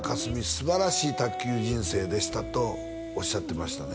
すばらしい卓球人生でしたとおっしゃってましたね